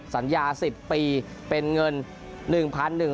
สัญญา๑๐ปีเป็นเงิน